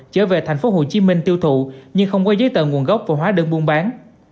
chở về thành phố hồ chí minh tiêu thụ nhưng không có giấy tờ nguồn gốc và hóa đơn buôn bán